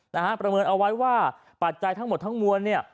ประเมินเอาไว้ว่าปัจจัยทั้งหมดทั้งมวลเนี่ย